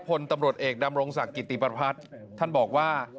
พลตำรวจเอกดำรงศักดิ์กิติประพัฒน์ท่านบอกว่า